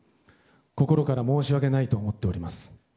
心から申し訳ないと思っております。